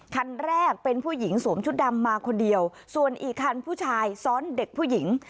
คันแรกเป็นผู้หญิงสวมชุดดำมาคนเดียวส่วนอีกคันผู้ชายซ้อนเด็กผู้หญิง